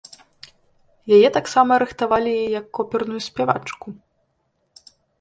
Яе таксама рыхтавалі як оперную спявачку.